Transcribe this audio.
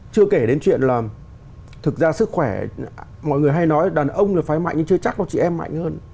chưa kể đến chuyện là thực ra sức khỏe mọi người hay nói đàn ông là phái mạnh nhưng chưa chắc là chị em mạnh hơn